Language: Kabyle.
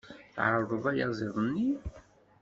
Tɛerḍeḍ ayaziḍ-nni?